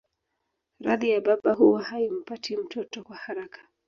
Radhi ya baba huwa haimpati mtoto kwa haraka